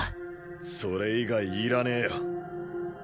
それ以外いらねえよ。